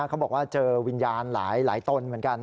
เขาบอกว่าเจอวิญญาณหลายตนเหมือนกัน